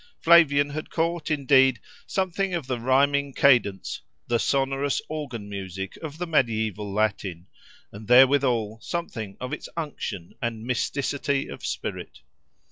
Flavian had caught, indeed, something of the rhyming cadence, the sonorous organ music of the medieval Latin, and therewithal something of its unction and mysticity of spirit.